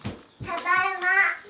ただいま。